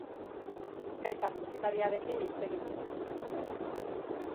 Bizkaitar musikariarekin hitz egin dugu.